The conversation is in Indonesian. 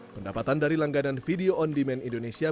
pendapatan dari langganan video on demand indonesia